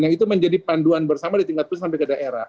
yang itu menjadi panduan bersama di tingkat pusat sampai ke daerah